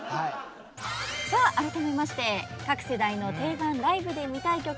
さああらためまして各世代の定番ライブで見たい曲編